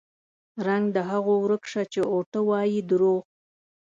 رنګ د هغو ورک شه چې اوټه وايي دروغ